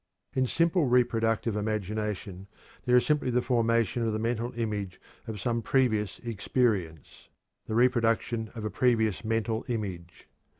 In simple reproductive imagination there is simply the formation of the mental image of some previous experience the reproduction of a previous mental image.